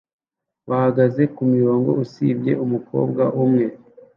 bahagaze kumurongo usibye umukobwa umwe